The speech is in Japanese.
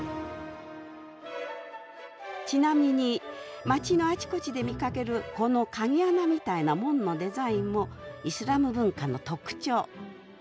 ちなみに街のあちこちで見かけるこの鍵穴みたいな門のデザインもイスラム文化の特徴。